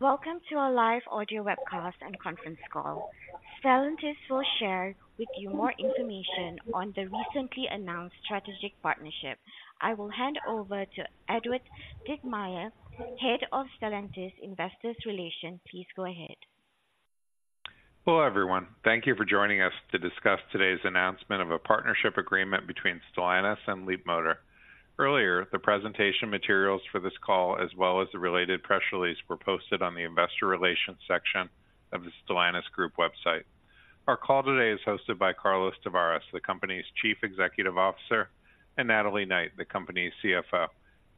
Welcome to our live audio webcast and conference call. Stellantis will share with you more information on the recently announced strategic partnership. I will hand over to Ed Ditmire, Head of Stellantis Investor Relations. Please go ahead. Hello, everyone. Thank you for joining us to discuss today's announcement of a partnership agreement between Stellantis and Leapmotor. Earlier, the presentation materials for this call, as well as the related press release, were posted on the investor relations section of the Stellantis group website. Our call today is hosted by Carlos Tavares, the company's Chief Executive Officer, and Natalie Knight, the company's CFO.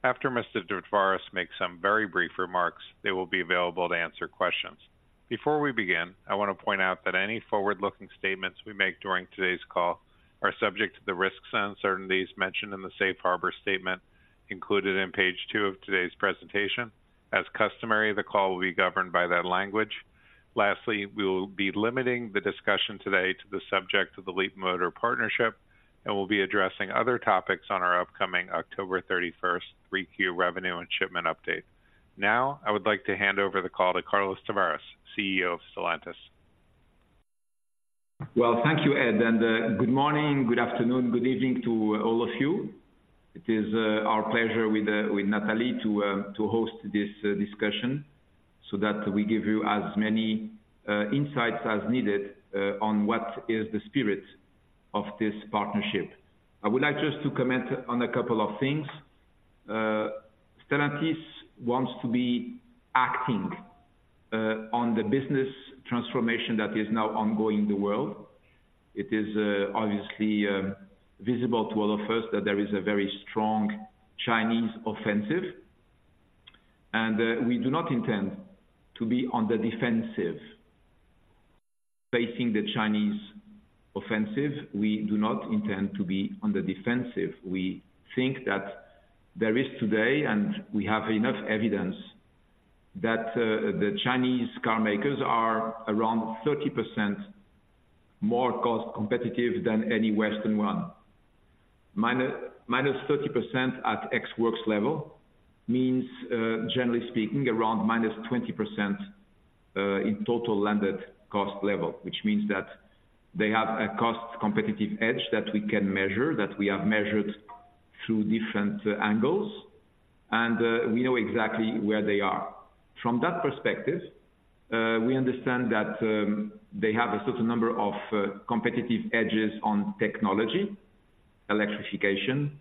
After Mr. Tavares makes some very brief remarks, they will be available to answer questions. Before we begin, I want to point out that any forward-looking statements we make during today's call are subject to the risks and uncertainties mentioned in the safe harbor statement included in page two of today's presentation. As customary, the call will be governed by that language. Lastly, we will be limiting the discussion today to the subject of the Leapmotor partnership, and we'll be addressing other topics on our upcoming October thirty-first 3Q revenue and shipment update. Now, I would like to hand over the call to Carlos Tavares, CEO of Stellantis. Well, thank you, Ed, and good morning, good afternoon, good evening to all of you. It is our pleasure with Natalie to host this discussion so that we give you as many insights as needed on what is the spirit of this partnership. I would like just to comment on a couple of things. Stellantis wants to be acting on the business transformation that is now ongoing in the world. It is obviously visible to all of us that there is a very strong Chinese offensive, and we do not intend to be on the defensive facing the Chinese offensive. We do not intend to be on the defensive. We think that there is today, and we have enough evidence, that the Chinese carmakers are around 30% more cost competitive than any Western one. Minus, minus 30% at ex-works level means, generally speaking, around -20%, in total landed cost level, which means that they have a cost competitive edge that we can measure, that we have measured through different angles, and we know exactly where they are. From that perspective, we understand that they have a certain number of competitive edges on technology, electrification,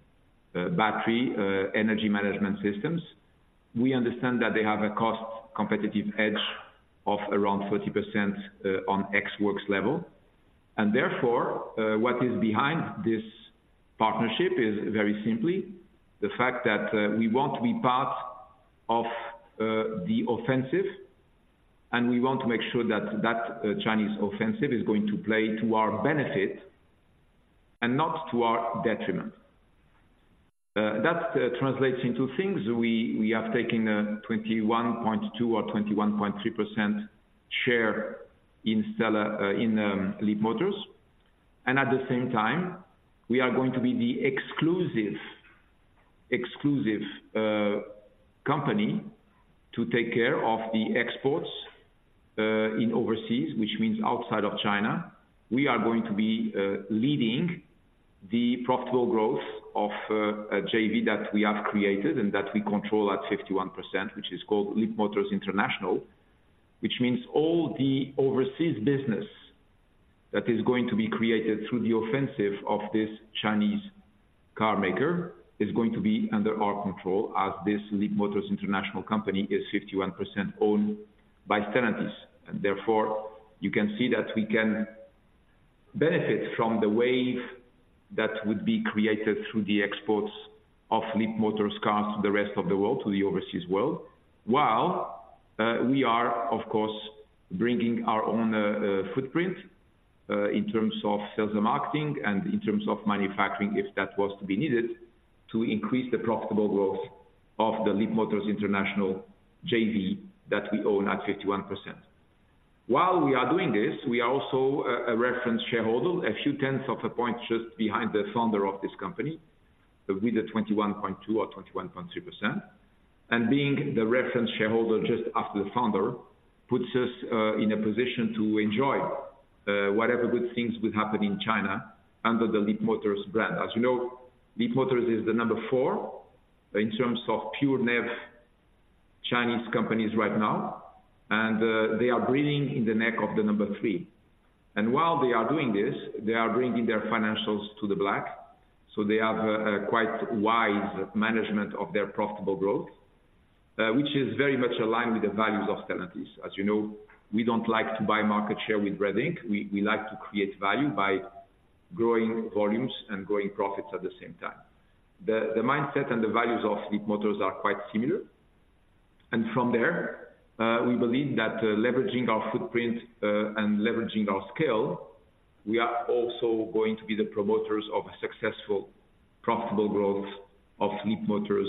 battery, energy management systems. We understand that they have a cost competitive edge of around 30%, on ex-works level. And therefore, what is behind this partnership is very simply the fact that we want to be part of the offensive, and we want to make sure that Chinese offensive is going to play to our benefit and not to our detriment. That translates into things. We have taken a 21.2% or 21.3% share in Leapmotor, and at the same time, we are going to be the exclusive company to take care of the exports in overseas, which means outside of China. We are going to be leading the profitable growth of a JV that we have created and that we control at 51%, which is called Leapmotor International. Which means all the overseas business that is going to be created through the offensive of this Chinese carmaker is going to be under our control, as this Leapmotor International company is 51% owned by Stellantis. Therefore, you can see that we can benefit from the wave that would be created through the exports of Leapmotor cars to the rest of the world, to the overseas world, while we are, of course, bringing our own footprint in terms of sales and marketing and in terms of manufacturing, if that was to be needed, to increase the profitable growth of the Leapmotor International JV that we own at 51%. While we are doing this, we are also a reference shareholder, a few tenths of a point just behind the founder of this company, with a 21.2% or 21.3%. Being the reference shareholder just after the founder puts us in a position to enjoy whatever good things will happen in China under the Leapmotor brand. As you know, Leapmotor is the number 4 in terms of pure NEV Chinese companies right now, and they are breathing in the neck of the number 3. And while they are doing this, they are bringing their financials to the black, so they have a quite wise management of their profitable growth, which is very much aligned with the values of Stellantis. As you know, we don't like to buy market share with red ink. We like to create value by growing volumes and growing profits at the same time. The mindset and the values of Leapmotor are quite similar, and from there, we believe that leveraging our footprint and leveraging our scale, we are also going to be the promoters of a successful, profitable growth of Leapmotor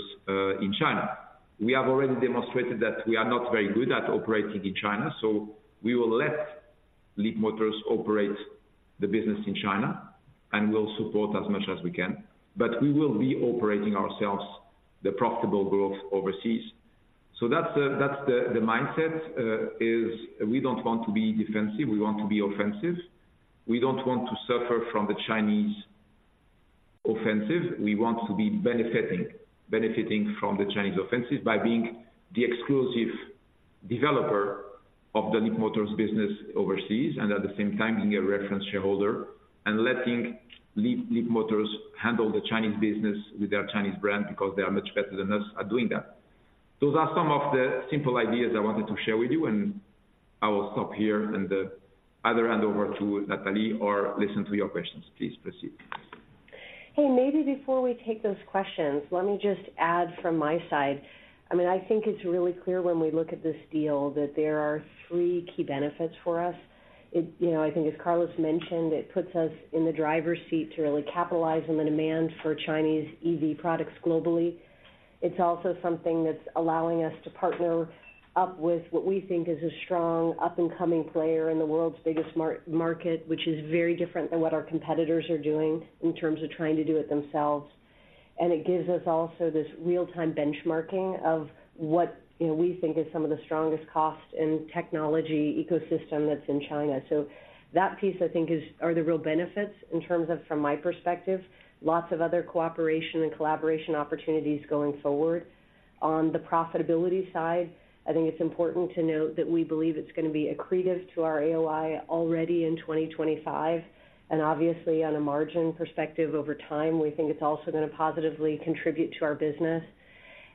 in China. We have already demonstrated that we are not very good at operating in China, so we will let Leapmotor operate the business in China, and we'll support as much as we can. But we will be operating ourselves, the profitable growth overseas. So that's the mindset, is we don't want to be defensive, we want to be offensive. We don't want to suffer from the Chinese offensive. We want to be benefiting from the Chinese offensive by being the exclusive developer of the Leapmotor business overseas, and at the same time, being a reference shareholder and letting Leapmotor handle the Chinese business with their Chinese brand, because they are much better than us at doing that. Those are some of the simple ideas I wanted to share with you, and I will stop here, and, either hand over to Natalie or listen to your questions. Please proceed. Hey, maybe before we take those questions, let me just add from my side. I mean, I think it's really clear when we look at this deal, that there are three key benefits for us. It, you know, I think, as Carlos mentioned, it puts us in the driver's seat to really capitalize on the demand for Chinese EV products globally. It's also something that's allowing us to partner up with what we think is a strong, up-and-coming player in the world's biggest market, which is very different than what our competitors are doing in terms of trying to do it themselves. And it gives us also this real-time benchmarking of what, you know, we think is some of the strongest cost and technology ecosystem that's in China. So that piece, I think, are the real benefits in terms of, from my perspective, lots of other cooperation and collaboration opportunities going forward. On the profitability side, I think it's important to note that we believe it's gonna be accretive to our AOI already in 2025, and obviously on a margin perspective, over time, we think it's also gonna positively contribute to our business.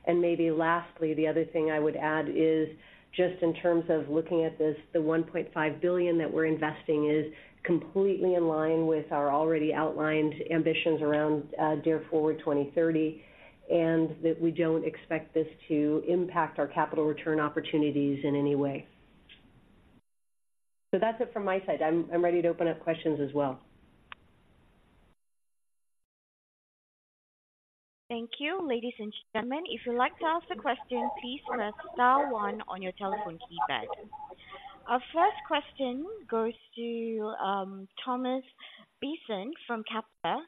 And maybe lastly, the other thing I would add is just in terms of looking at this, the 1.5 billion that we're investing is completely in line with our already outlined ambitions around Dare Forward 2030, and that we don't expect this to impact our capital return opportunities in any way. So that's it from my side. I'm ready to open up questions as well. Thank you. Ladies and gentlemen, if you'd like to ask a question, please press star 1 on your telephone keypad. Our first question goes to Thomas Besson from Kepler.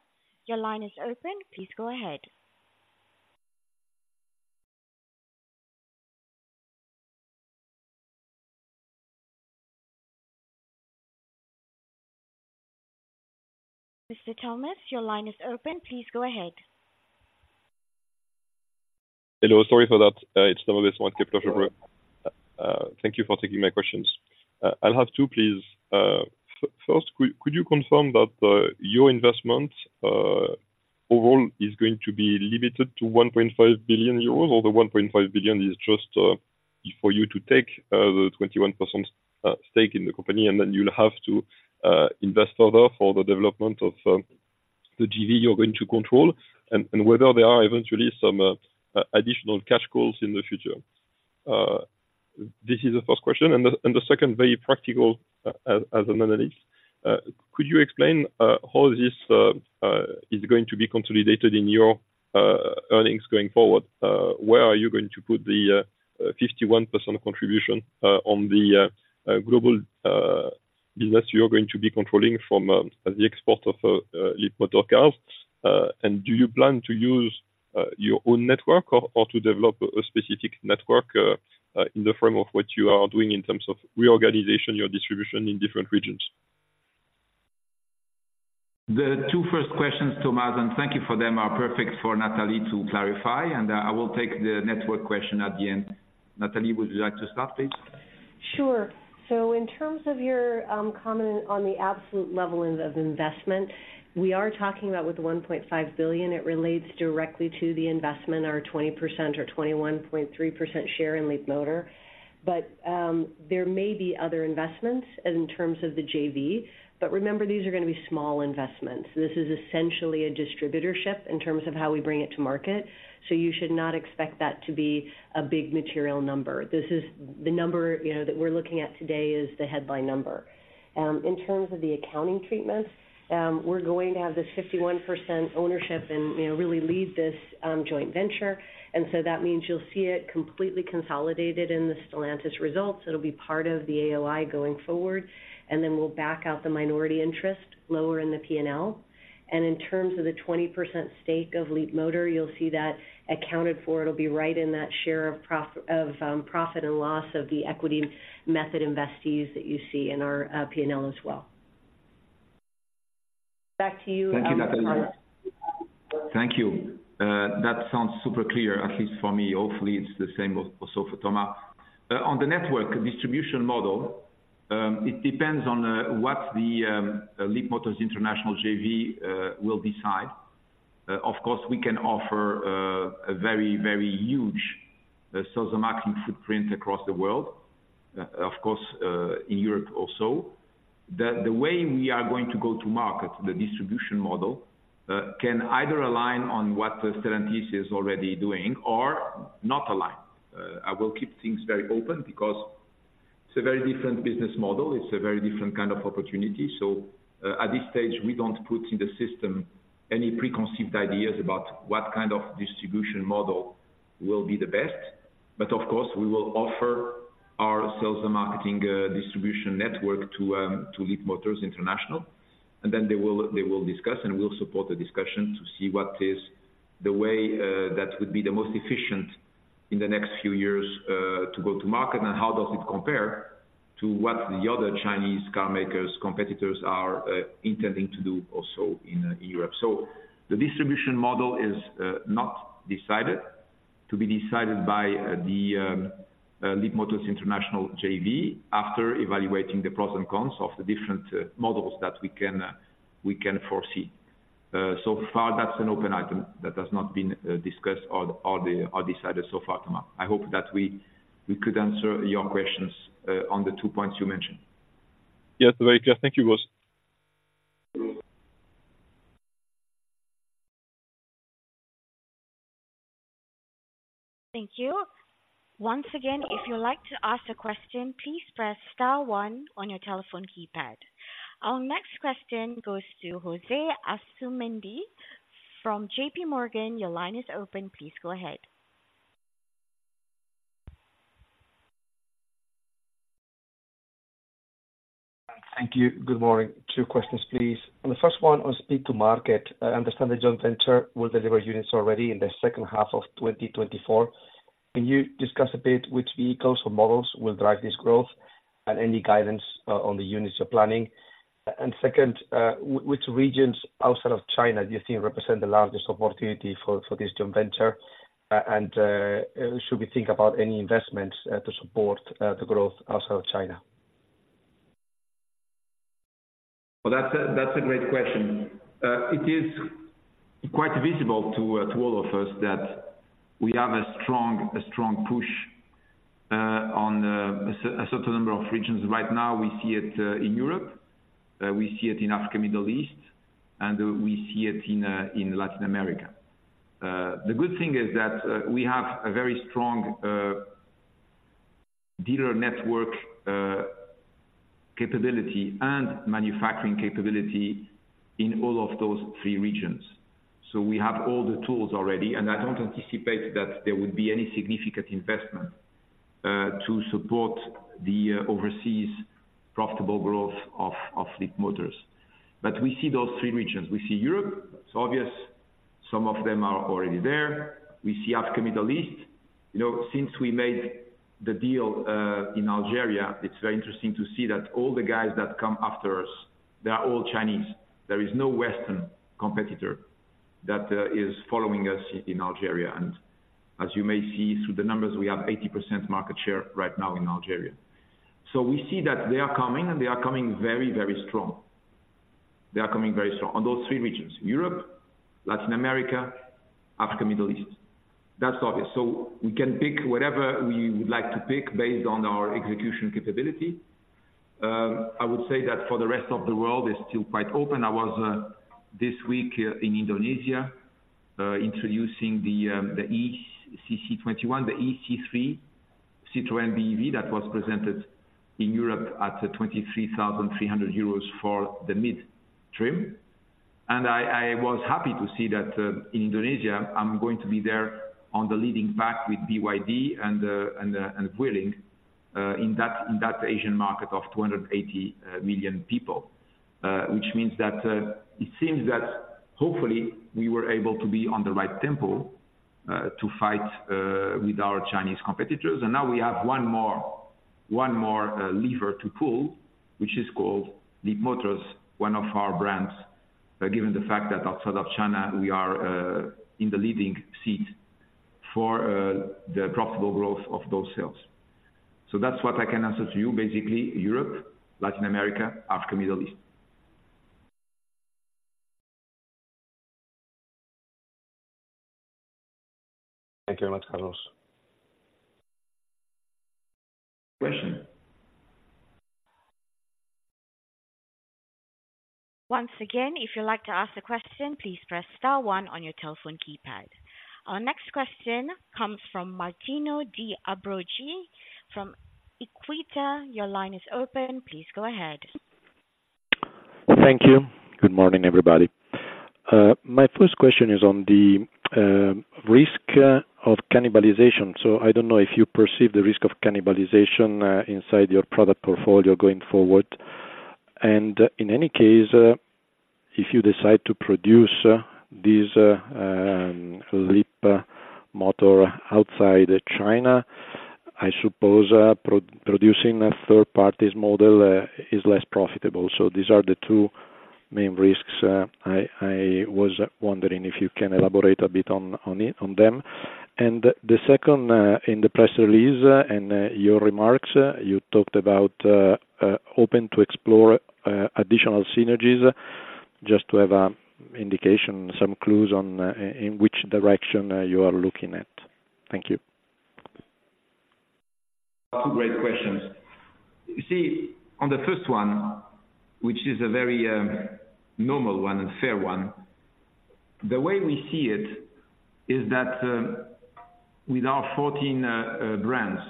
Your line is open. Please go ahead. Mr. Thomas, your line is open. Please go ahead. Hello, sorry for that. It's Thomas Besson, Kepler Cheuvreux. Thank you for taking my questions. I'll have two, please. First, could you confirm that your investment overall is going to be limited to 1.5 billion euros, or the 1.5 billion is just for you to take the 21% stake in the company, and then you'll have to invest further for the development of the JV you're going to control? And whether there are eventually some additional cash calls in the future. This is the first question, and the second, very practical, as an analyst, could you explain how this is going to be consolidated in your earnings going forward? Where are you going to put the 51% contribution on the global business you're going to be controlling from the export of Leapmotor cars? And do you plan to use your own network or to develop a specific network in the frame of what you are doing in terms of reorganization, your distribution in different regions? The two first questions, Thomas, and thank you for them, are perfect for Natalie to clarify, and I will take the network question at the end. Natalie, would you like to start, please? Sure. So in terms of your comment on the absolute level of investment, we are talking about with 1.5 billion, it relates directly to the investment, our 20% or 21.3% share in Leapmotor. But there may be other investments in terms of the JV, but remember, these are gonna be small investments. This is essentially a distributorship in terms of how we bring it to market, so you should not expect that to be a big material number. This is... The number, you know, that we're looking at today is the headline number. In terms of the accounting treatment, we're going to have this 51% ownership and, you know, really lead this joint venture, and so that means you'll see it completely consolidated in the Stellantis results. It'll be part of the AOI going forward, and then we'll back out the minority interest lower in the P&L. In terms of the 20% stake of Leapmotor, you'll see that accounted for. It'll be right in that share of profit and loss of the equity method investees that you see in our P&L as well. Back to you, Carlos. Thank you, Natalie. Thank you. That sounds super clear, at least for me. Hopefully, it's the same also for Thomas. On the network distribution model, it depends on what the Leapmotor International JV will decide. Of course, we can offer a very, very huge sales and marketing footprint across the world. Of course, in Europe also. The way we are going to go to market, the distribution model, can either align on what the Stellantis is already doing or not align. I will keep things very open because it's a very different business model, it's a very different kind of opportunity. So, at this stage, we don't put in the system any preconceived ideas about what kind of distribution model will be the best. But of course, we will offer our sales and marketing, distribution network to, to Leapmotor International. And then they will, they will discuss, and we'll support the discussion to see what is the way, that would be the most efficient in the next few years, to go to market. And how does it compare to what the other Chinese carmakers, competitors are, intending to do also in, in Europe. So the distribution model is, not decided. To be decided by the, Leapmotor International JV, after evaluating the pros and cons of the different, models that we can, we can foresee. So far, that's an open item that has not been, discussed or, or, or decided so far, Thomas. I hope that we, we could answer your questions, on the two points you mentioned. Yes, very clear. Thank you, boss. Thank you. Once again, if you'd like to ask a question, please press star one on your telephone keypad. Our next question goes to José Asumendi from J.P. Morgan. Your line is open. Please go ahead. Thank you. Good morning. Two questions, please. On the first one, on speed to market. I understand the joint venture will deliver units already in the second half of 2024. Can you discuss a bit which vehicles or models will drive this growth, and any guidance on the units you're planning? And second, which regions outside of China do you think represent the largest opportunity for this joint venture? And, should we think about any investments to support the growth outside of China? Well, that's a great question. It is quite visible to all of us that we have a strong push on a certain number of regions. Right now, we see it in Europe, we see it in Africa, Middle East, and we see it in Latin America. The good thing is that we have a very strong dealer network capability and manufacturing capability in all of those three regions. So we have all the tools already, and I don't anticipate that there would be any significant investment to support the overseas profitable growth of Leapmotor. But we see those three regions. We see Europe, it's obvious, some of them are already there. We see Africa, Middle East. You know, since we made the deal in Algeria, it's very interesting to see that all the guys that come after us, they are all Chinese. There is no Western competitor that is following us in Algeria. And as you may see through the numbers, we have 80% market share right now in Algeria. So we see that they are coming, and they are coming very, very strong. They are coming very strong on those three regions: Europe, Latin America, Africa, Middle East. That's obvious. So we can pick whatever we would like to pick based on our execution capability. I would say that for the rest of the world, it's still quite open. I was this week in Indonesia introducing the e-CC21, the ë-C3 Citroën BEV that was presented in Europe at 23,300 euros for the mid-trim. And I was happy to see that in Indonesia, I'm going to be there on the leading pack with BYD and Wuling in that Asian market of 280 million people. Which means that it seems that hopefully, we were able to be on the right tempo to fight with our Chinese competitors. And now we have one more lever to pull, which is called Leapmotor, one of our brands. Given the fact that outside of China, we are in the leading seat for the profitable growth of those sales. That's what I can answer to you. Basically, Europe, Latin America, Africa, Middle East. Thank you very much, Carlos. Once again, if you'd like to ask a question, please press star 1 on your telephone keypad. Our next question comes from Martino De Ambroggi from Equita. Your line is open. Please go ahead. Thank you. Good morning, everybody. My first question is on the risk of cannibalization. So I don't know if you perceive the risk of cannibalization inside your product portfolio going forward. And in any case, if you decide to produce these Leapmotor outside China, I suppose producing a third party's model is less profitable. So these are the two main risks. I was wondering if you can elaborate a bit on them. And the second, in the press release and your remarks, you talked about open to explore additional synergies. Just to have an indication, some clues on in which direction you are looking at. Thank you. Two great questions. You see, on the first one, which is a very normal one and fair one, the way we see it is that with our 14 brands,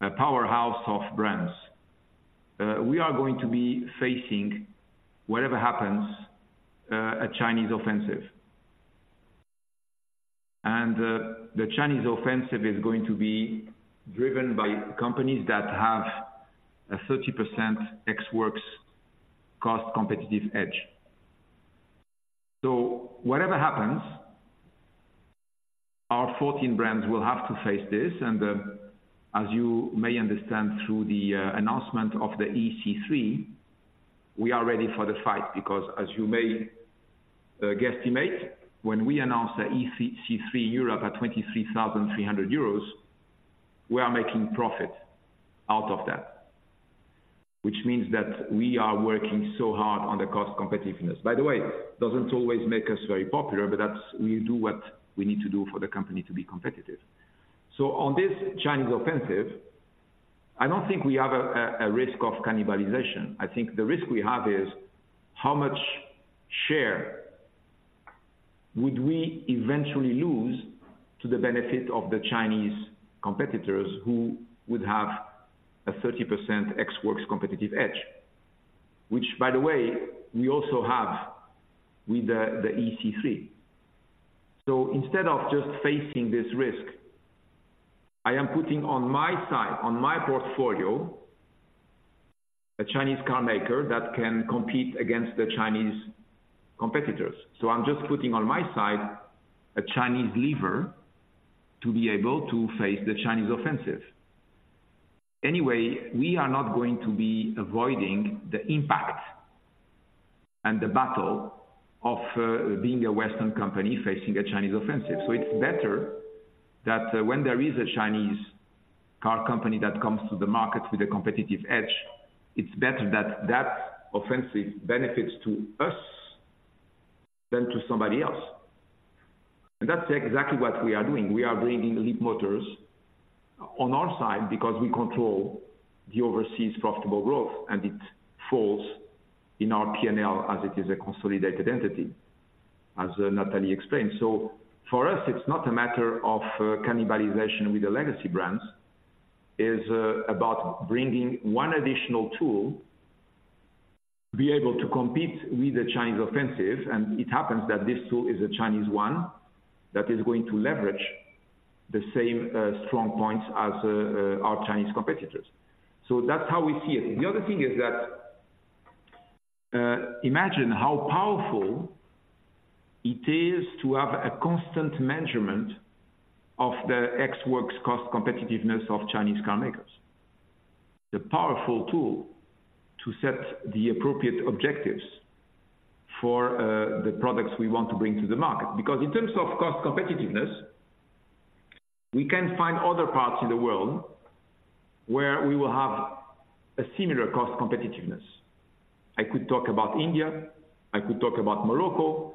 a powerhouse of brands, we are going to be facing, whatever happens, a Chinese offensive. And the Chinese offensive is going to be driven by companies that have a 30% ex-works cost competitive edge. So whatever happens, our 14 brands will have to face this, and as you may understand through the announcement of the ë-C3, we are ready for the fight. Because as you may guesstimate, when we announce the ë-C3 Europe at 23,300 euros, we are making profit out of that. Which means that we are working so hard on the cost competitiveness. By the way, doesn't always make us very popular, but that's... We do what we need to do for the company to be competitive. So on this Chinese offensive, I don't think we have a risk of cannibalization. I think the risk we have is, how much share would we eventually lose to the benefit of the Chinese competitors who would have a 30% ex-works competitive edge? Which, by the way, we also have with the ë-C3. So instead of just facing this risk, I am putting on my side, on my portfolio, a Chinese car maker that can compete against the Chinese competitors. So I'm just putting on my side, a Chinese lever, to be able to face the Chinese offensive. Anyway, we are not going to be avoiding the impact and the battle of being a Western company facing a Chinese offensive. So it's better that, when there is a Chinese car company that comes to the market with a competitive edge, it's better that that offensive benefits to us than to somebody else. And that's exactly what we are doing. We are bringing Leapmotor on our side because we control the overseas profitable growth, and it falls in our P&L as it is a consolidated entity, as Natalie explained. So for us, it's not a matter of, cannibalization with the legacy brands, about bringing one additional tool to be able to compete with the Chinese offensive, and it happens that this tool is a Chinese one, that is going to leverage the same, strong points as, our Chinese competitors. So that's how we see it. The other thing is that, imagine how powerful it is to have a constant measurement of the ex-works cost competitiveness of Chinese car makers. It's a powerful tool to set the appropriate objectives for, the products we want to bring to the market. Because in terms of cost competitiveness, we can find other parts in the world where we will have a similar cost competitiveness. I could talk about India, I could talk about Morocco,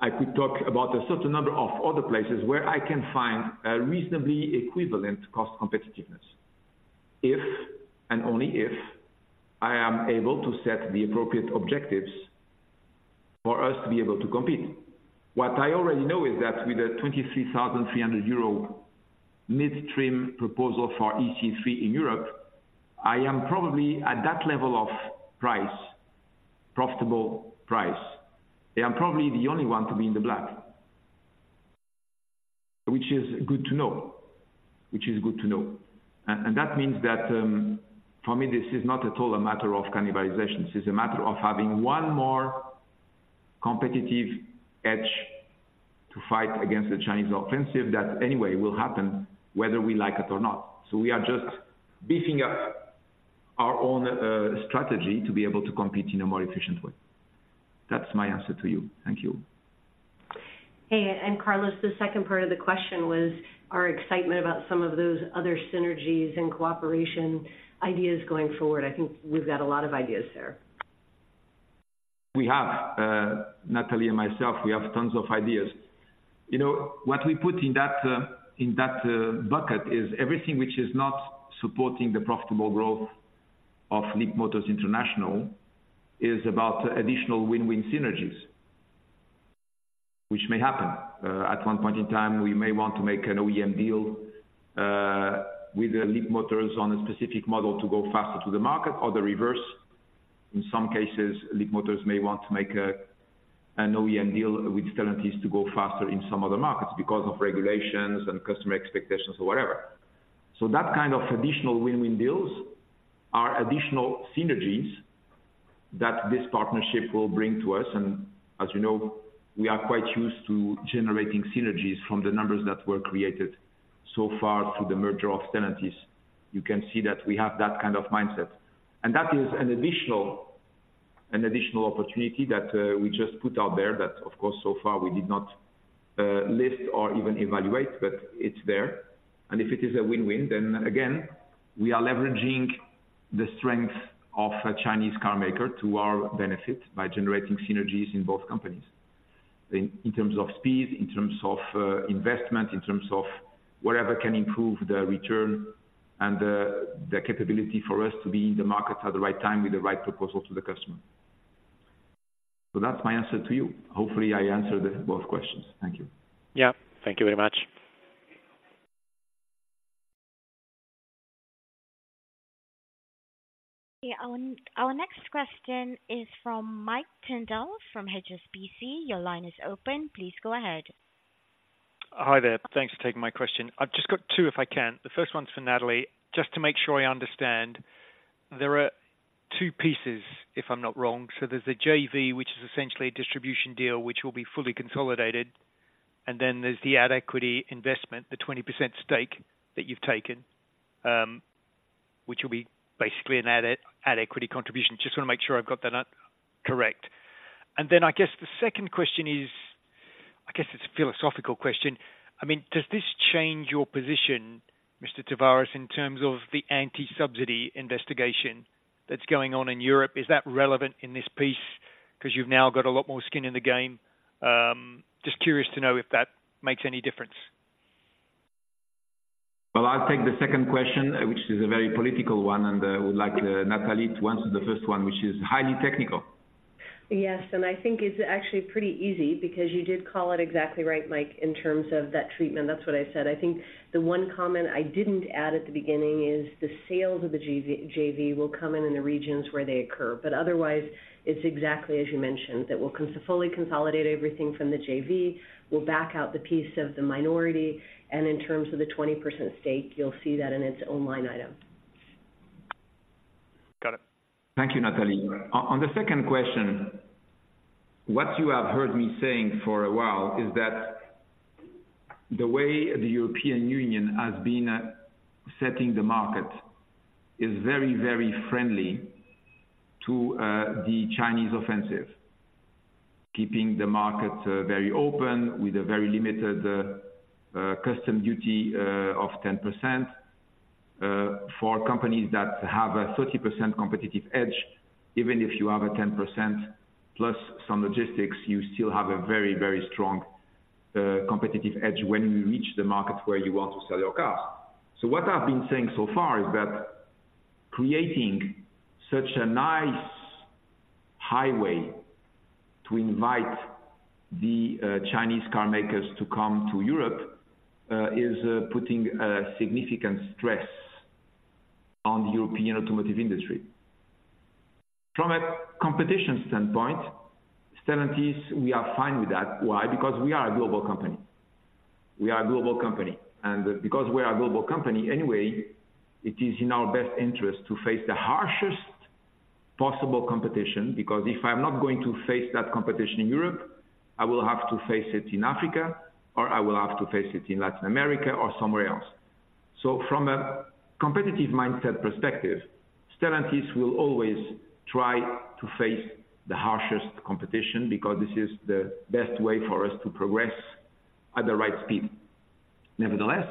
I could talk about a certain number of other places where I can find a reasonably equivalent cost competitiveness, if and only if, I am able to set the appropriate objectives for us to be able to compete. What I already know is that with a 23,300 euro mid-trim proposal for ë-C3 in Europe, I am probably at that level of price, profitable price. I am probably the only one to be in the black. Which is good to know, which is good to know. And, and that means that, for me, this is not at all a matter of cannibalization. This is a matter of having one more competitive edge to fight against the Chinese offensive, that anyway, will happen whether we like it or not. So we are just beefing up our own, strategy to be able to compete in a more efficient way. That's my answer to you. Thank you. Hey, and Carlos, the second part of the question was, our excitement about some of those other synergies and cooperation ideas going forward. I think we've got a lot of ideas there. We have, Natalie and myself, we have tons of ideas. You know, what we put in that bucket is everything which is not supporting the profitable growth of Leapmotor International, is about additional win-win synergies, which may happen. At one point in time, we may want to make an OEM deal with Leapmotor on a specific model to go faster to the market or the reverse. In some cases, Leapmotor may want to make an OEM deal with Stellantis to go faster in some other markets, because of regulations and customer expectations or whatever. So that kind of additional win-win deals are additional synergies that this partnership will bring to us. And as you know, we are quite used to generating synergies from the numbers that were created so far through the merger of Stellantis. You can see that we have that kind of mindset. And that is an additional, an additional opportunity that we just put out there, that of course, so far, we did not list or even evaluate, but it's there. And if it is a win-win, then again, we are leveraging the strength of a Chinese car maker to our benefit by generating synergies in both companies. In terms of speed, in terms of investment, in terms of whatever can improve the return and the capability for us to be in the market at the right time with the right proposal to the customer. So that's my answer to you. Hopefully, I answered both questions. Thank you. Yeah. Thank you very much. Okay, our next question is from Mike Tyndall, from HSBC. Your line is open. Please go ahead. Hi there. Thanks for taking my question. I've just got two, if I can. The first one's for Natalie. Just to make sure I understand, there are two pieces, if I'm not wrong. So there's the JV, which is essentially a distribution deal, which will be fully consolidated, and then there's the additional equity investment, the 20% stake that you've taken, which will be basically an additional equity contribution. Just want to make sure I've got that correct. And then I guess the second question is, I guess it's a philosophical question. I mean, does this change your position, Mr. Tavares, in terms of the anti-subsidy investigation that's going on in Europe? Is that relevant in this piece because you've now got a lot more skin in the game? Just curious to know if that makes any difference. Well, I'll take the second question, which is a very political one, and I would like Natalie to answer the first one, which is highly technical. Yes, and I think it's actually pretty easy because you did call it exactly right, Mike, in terms of that treatment. That's what I said. I think the one comment I didn't add at the beginning is the sales of the JV. JV will come in, in the regions where they occur, but otherwise, it's exactly as you mentioned, that we'll fully consolidate everything from the JV. We'll back out the piece of the minority, and in terms of the 20% stake, you'll see that in its own line item. Got it. Thank you, Natalie. On, on the second question, what you have heard me saying for a while is that the way the European Union has been setting the market is very, very friendly to the Chinese offensive, keeping the market very open with a very limited customs duty of 10%. For companies that have a 30% competitive edge, even if you have a 10% plus some logistics, you still have a very, very strong competitive edge when you reach the market where you want to sell your cars. So what I've been saying so far is that creating such a nice highway to invite the Chinese carmakers to come to Europe is putting a significant stress on the European automotive industry. From a competition standpoint, Stellantis, we are fine with that. Why? Because we are a global company. We are a global company, and because we are a global company, anyway, it is in our best interest to face the harshest possible competition, because if I'm not going to face that competition in Europe, I will have to face it in Africa, or I will have to face it in Latin America or somewhere else. So from a competitive mindset perspective, Stellantis will always try to face the harshest competition because this is the best way for us to progress at the right speed. Nevertheless,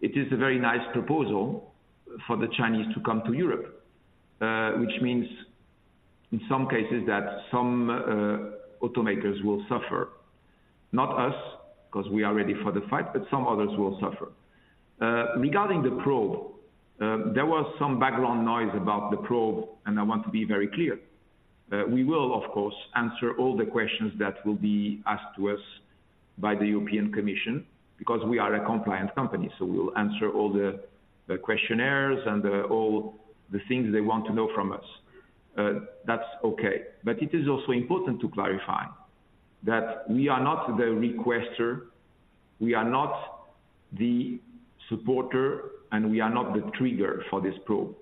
it is a very nice proposal for the Chinese to come to Europe, which means in some cases that some automakers will suffer. Not us, because we are ready for the fight, but some others will suffer. Regarding the probe, there was some background noise about the probe, and I want to be very clear. We will, of course, answer all the questions that will be asked to us by the European Commission, because we are a compliant company, so we will answer all the questionnaires and all the things they want to know from us. That's okay, but it is also important to clarify that we are not the requester, we are not the supporter, and we are not the trigger for this probe.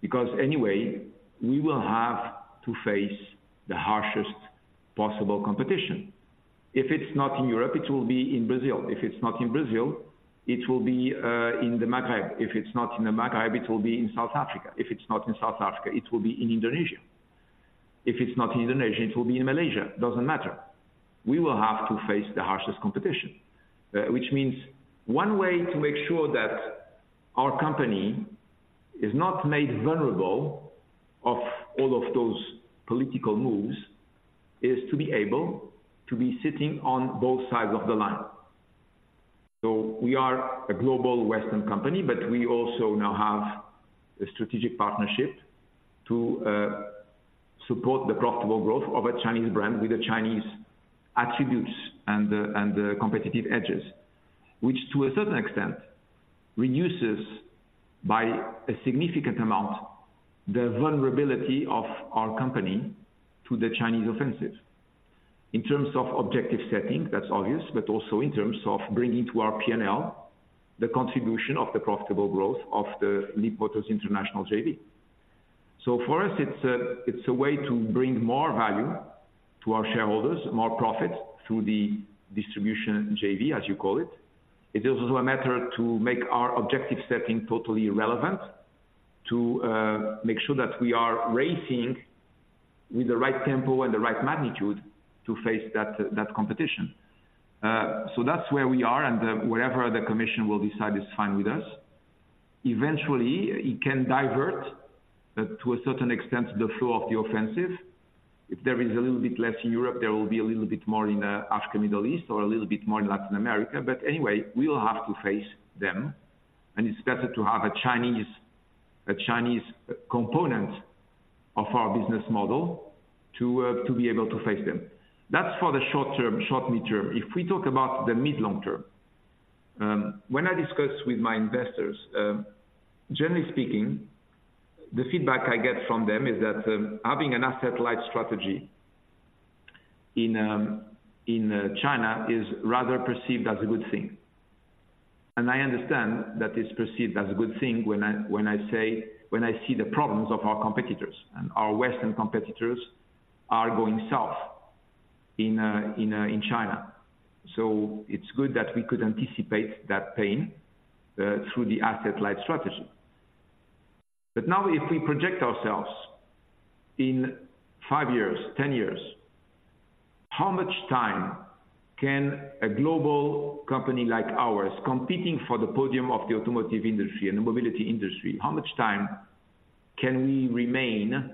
Because anyway, we will have to face the harshest possible competition. If it's not in Europe, it will be in Brazil. If it's not in Brazil, it will be in the Maghreb. If it's not in the Maghreb, it will be in South Africa. If it's not in South Africa, it will be in Indonesia. If it's not in Indonesia, it will be in Malaysia. Doesn't matter. We will have to face the harshest competition. Which means one way to make sure that our company is not made vulnerable of all of those political moves, is to be able to be sitting on both sides of the line. So we are a global Western company, but we also now have a strategic partnership to support the profitable growth of a Chinese brand with the Chinese attributes and the, and the competitive edges, which to a certain extent, reduces by a significant amount, the vulnerability of our company to the Chinese offensive. In terms of objective setting, that's obvious, but also in terms of bringing to our PNL, the contribution of the profitable growth of the Leapmotor International JV. So for us, it's a way to bring more value to our shareholders, more profits through the distribution JV, as you call it. It is also a matter to make our objective setting totally relevant, to make sure that we are racing with the right tempo and the right magnitude to face that competition. So that's where we are, and wherever the commission will decide is fine with us. Eventually, it can divert to a certain extent the flow of the offensive. If there is a little bit less in Europe, there will be a little bit more in Africa, Middle East, or a little bit more in Latin America, but anyway, we will have to face them, and it's better to have a Chinese component of our business model to be able to face them. That's for the short term, short mid-term. If we talk about the mid long term, when I discuss with my investors, generally speaking, the feedback I get from them is that, having an asset light strategy in, in, China is rather perceived as a good thing. And I understand that it's perceived as a good thing when I see the problems of our competitors, and our Western competitors are going south in, in, China. So it's good that we could anticipate that pain, through the asset light strategy. But now, if we project ourselves in 5 years, 10 years, how much time can a global company like ours, competing for the podium of the automotive industry and the mobility industry, how much time can we remain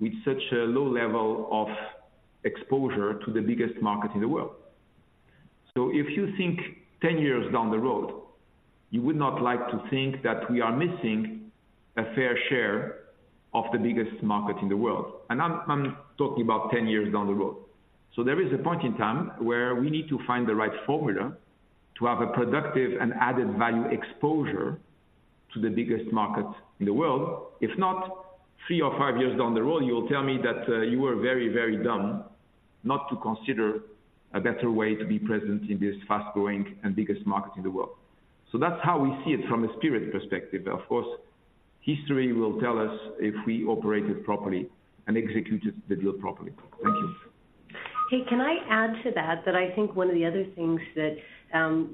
with such a low level of exposure to the biggest market in the world? So if you think 10 years down the road, you would not like to think that we are missing a fair share of the biggest market in the world. And I'm, I'm talking about 10 years down the road. So there is a point in time where we need to find the right formula to have a productive and added value exposure to the biggest market in the world. If not, three or five years down the road, you will tell me that you were very, very dumb not to consider a better way to be present in this fast-growing and biggest market in the world. So that's how we see it from a Spirit perspective. Of course, history will tell us if we operated properly and executed the deal properly. Thank you. Hey, can I add to that? That I think one of the other things that,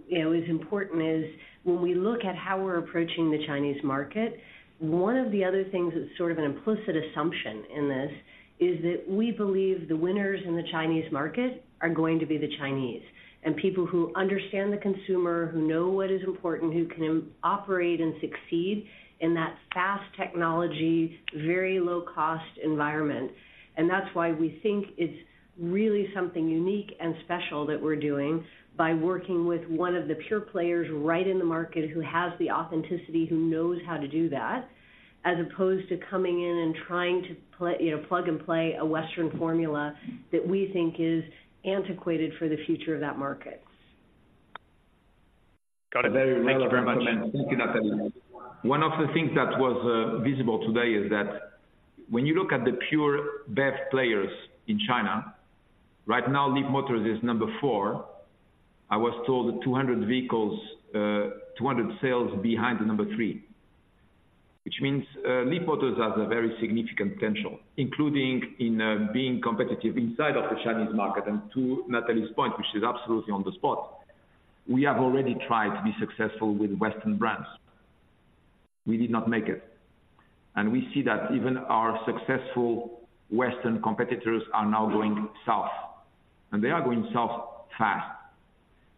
you know, is important is, when we look at how we're approaching the Chinese market, one of the other things that's sort of an implicit assumption in this, is that we believe the winners in the Chinese market are going to be the Chinese. And people who understand the consumer, who know what is important, who can operate and succeed in that fast technology, very low-cost environment. And that's why we think it's really something unique and special that we're doing by working with one of the pure players right in the market, who has the authenticity, who knows how to do that, as opposed to coming in and trying to play, you know, plug and play a Western formula that we think is antiquated for the future of that market. Got it. Thank you very much, and thank you, Natalie. One of the things that was visible today is that when you look at the pure BEV players in China, right now, Leapmotor is number 4. I was told 200 vehicles, 200 sales behind the number 3, which means, Leapmotor has a very significant potential, including in being competitive inside of the Chinese market. And to Natalie's point, which is absolutely on the spot, we have already tried to be successful with Western brands. We did not make it. And we see that even our successful Western competitors are now going south, and they are going south fast.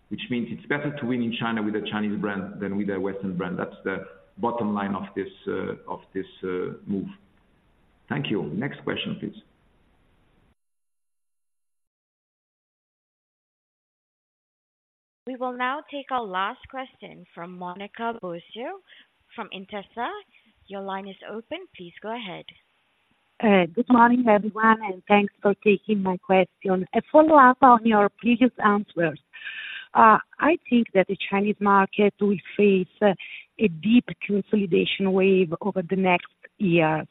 Which means it's better to win in China with a Chinese brand than with a Western brand. That's the bottom line of this, of this move. Thank you. Next question, please. We will now take our last question from Monica Bosio from Intesa. Your line is open. Please go ahead. Good morning, everyone, and thanks for taking my question. A follow-up on your previous answers. I think that the Chinese market will face a deep consolidation wave over the next years.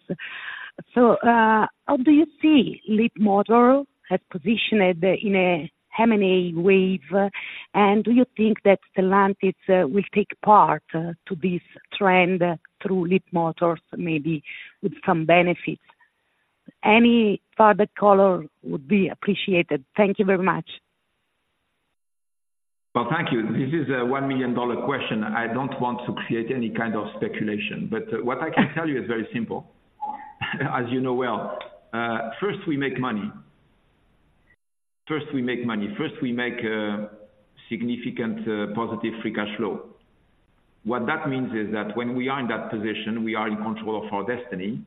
So, how do you see Leapmotor has positioned in a M&A wave, and do you think that Stellantis will take part to this trend through Leapmotors, maybe with some benefits? Any further color would be appreciated. Thank you very much. Well, thank you. This is a $1 million question. I don't want to create any kind of speculation, but what I can tell you is very simple. As you know well, first we make money. First, we make money. First, we make significant positive free cash flow. What that means is that when we are in that position, we are in control of our destiny,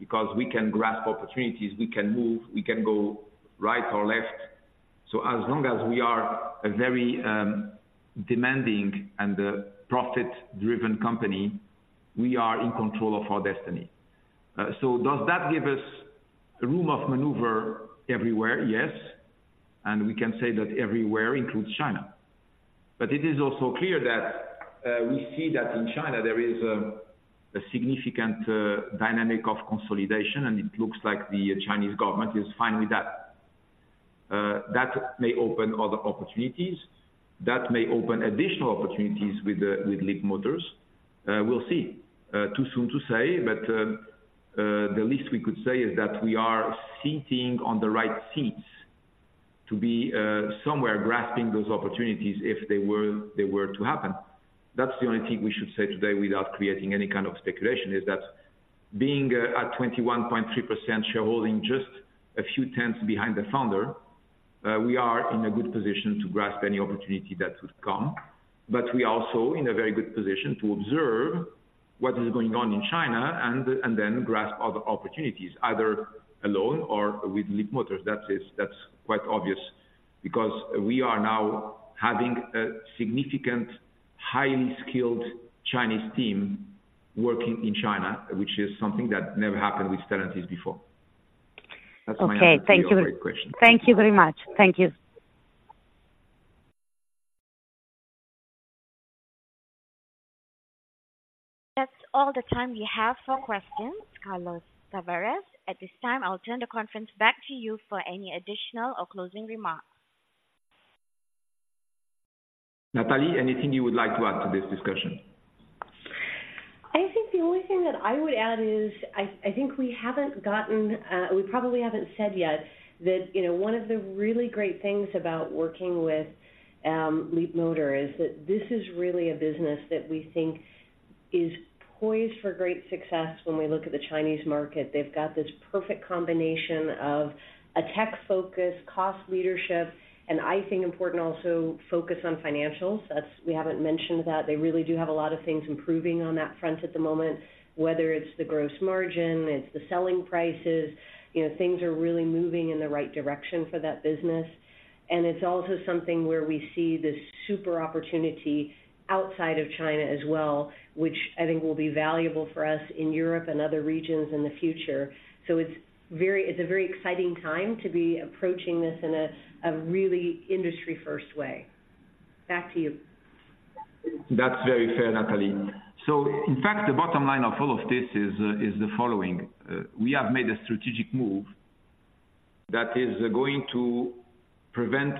because we can grasp opportunities, we can move, we can go right or left. So as long as we are a very demanding and profit-driven company, we are in control of our destiny. So does that give us room of maneuver everywhere? Yes, and we can say that everywhere includes China. But it is also clear that we see that in China there is a significant dynamic of consolidation, and it looks like the Chinese government is fine with that. That may open other opportunities, that may open additional opportunities with Leapmotor. We'll see. Too soon to say, but the least we could say is that we are sitting on the right seats to be somewhere grasping those opportunities if they were to happen. That's the only thing we should say today without creating any kind of speculation, is that being at 21.3% shareholding, just a few tenths behind the founder, we are in a good position to grasp any opportunity that would come. But we are also in a very good position to observe what is going on in China and then grasp other opportunities, either alone or with Leapmotor. That is, that's quite obvious.... Because we are now having a significant, highly skilled Chinese team working in China, which is something that never happened with Stellantis before. That's my answer to your great question. Okay, thank you. Thank you very much. Thank you. That's all the time we have for questions. Carlos Tavares, at this time, I'll turn the conference back to you for any additional or closing remarks. Natalie, anything you would like to add to this discussion? I think the only thing that I would add is, I think we haven't gotten, we probably haven't said yet that, you know, one of the really great things about working with Leapmotor is that this is really a business that we think is poised for great success when we look at the Chinese market. They've got this perfect combination of a tech focus, cost leadership, and I think important also, focus on financials. That's. We haven't mentioned that. They really do have a lot of things improving on that front at the moment, whether it's the gross margin, it's the selling prices, you know, things are really moving in the right direction for that business. And it's also something where we see this super opportunity outside of China as well, which I think will be valuable for us in Europe and other regions in the future. So it's very, it's a very exciting time to be approaching this in a really industry first way. Back to you. That's very fair, Natalie. So in fact, the bottom line of all of this is, is the following: We have made a strategic move that is going to prevent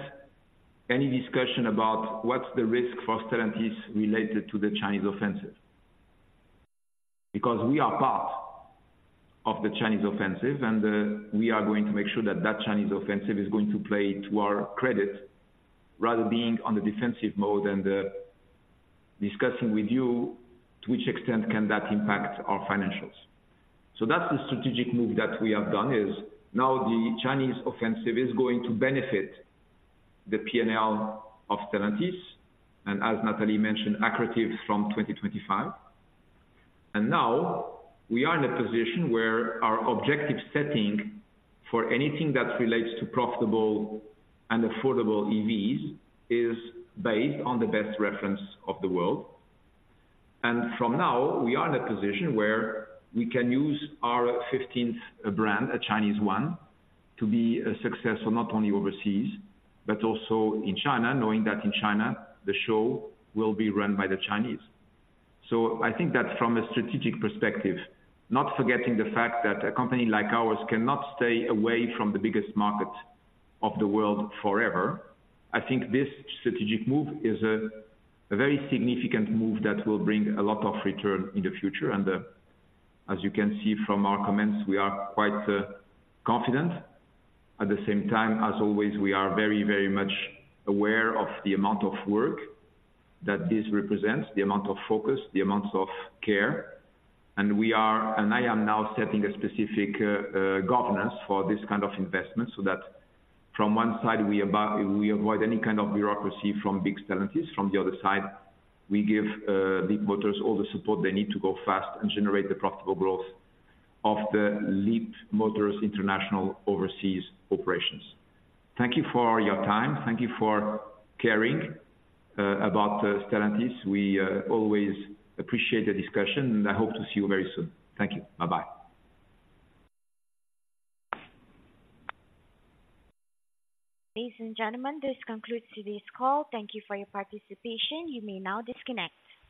any discussion about what's the risk for Stellantis related to the Chinese offensive. Because we are part of the Chinese offensive, and we are going to make sure that that Chinese offensive is going to play to our credit, rather being on the defensive mode and discussing with you to which extent can that impact our financials. So that's the strategic move that we have done, is now the Chinese offensive is going to benefit the P&L of Stellantis, and as Natalie mentioned, accretive from 2025. And now we are in a position where our objective setting for anything that relates to profitable and affordable EVs is based on the best reference of the world. From now, we are in a position where we can use our fifteenth brand, a Chinese one, to be a success, so not only overseas, but also in China, knowing that in China, the show will be run by the Chinese. So I think that from a strategic perspective, not forgetting the fact that a company like ours cannot stay away from the biggest market of the world forever, I think this strategic move is a very significant move that will bring a lot of return in the future. As you can see from our comments, we are quite confident. At the same time, as always, we are very, very much aware of the amount of work that this represents, the amount of focus, the amounts of care. And we are, and I am now setting a specific governance for this kind of investment, so that from one side, we avoid any kind of bureaucracy from big Stellantis. From the other side, we give Leapmotor all the support they need to go fast and generate the profitable growth of the Leapmotor's international overseas operations. Thank you for your time. Thank you for caring about Stellantis. We always appreciate the discussion, and I hope to see you very soon. Thank you. Bye-bye. Ladies and gentlemen, this concludes today's call. Thank you for your participation. You may now disconnect.